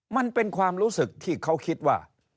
มันเป็นความรู้สึกที่เขาคิดว่า